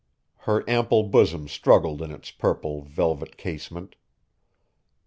Her ample bosom struggled in its purple velvet casement.